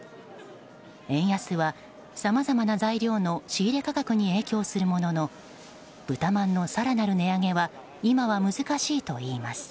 円安は、さまざまな材料の仕入れ価格に影響するものの豚まんの更なる値上げは今は難しいといいます。